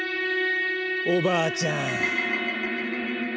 おばあちゃん。